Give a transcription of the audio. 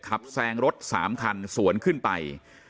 แซงรถ๓คันสวนขึ้นไป